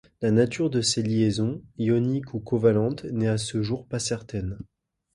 La nature de ces liaisons, ionique ou covalente, n'est à ce jour pas certaine.